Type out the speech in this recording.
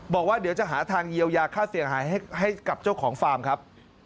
บอกว่าเดี๋ยวจะหาทางเยียวยาค่าเสียหายให้กับเจ้าของฟาร์มครับ